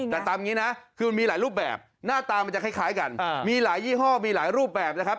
แต่ตามนี้นะคือมันมีหลายรูปแบบหน้าตามันจะคล้ายกันมีหลายยี่ห้อมีหลายรูปแบบนะครับ